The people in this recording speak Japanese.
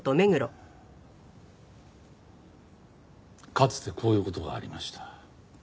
かつてこういう事がありました。